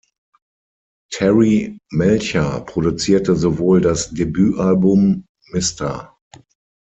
Terry Melcher produzierte sowohl das Debütalbum "Mr.